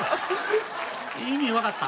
意味わかった？